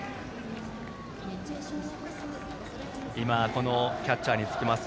このキャッチャーにつきます